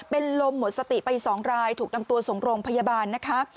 เป็นลมหมดสติไป๒รายถูกนำตัวส่งโรงพยาบาลนะคะ